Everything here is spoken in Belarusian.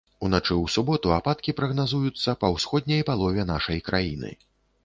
Уначы ў суботу ападкі прагназуюцца па ўсходняй палове нашай краіны.